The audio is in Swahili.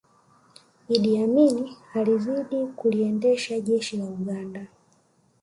iddi amini alizidi kuliendesha jeshi la uganda